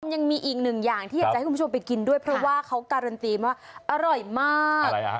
ยังมีอีกหนึ่งอย่างที่อยากจะให้คุณผู้ชมไปกินด้วยเพราะว่าเขาการันตีว่าอร่อยมาก